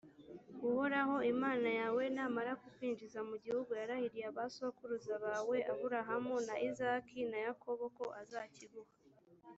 uhoraho imana yawe namara kukwinjiza mu gihugu yarahiriye abasokuruza bawe, abrahamu, na izaki na yakobo ko azakiguha,